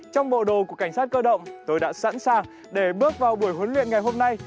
trong bộ đồ của cảnh sát cơ động tôi đã sẵn sàng để bước vào buổi huấn luyện ngày hôm nay